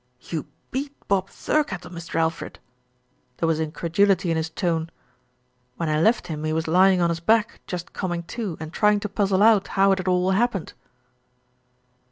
"You beat Bob Thirkettle, Mr. Alfred?" There was incredulity in his tone. "When I left him he was lying on his back, just com ing to and trying to puzzle out how it had all hap pened."